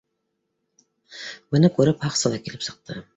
Быны күреп, һаҡсы ла килеп сыҡты: